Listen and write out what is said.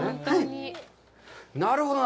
なるほど。